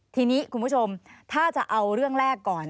ทีนี้คุณผู้ชมถ้าจะเอาเรื่องแรกก่อน